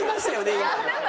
今。